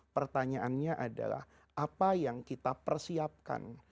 pertanyaannya adalah apa yang kita persiapkan